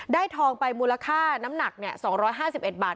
ได้ทองไปมูลค่าน้ำหนักเนี่ยสองร้อยห้าสิบเอ็ดบาท